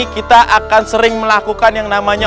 kita akan sering melakukan yang namanya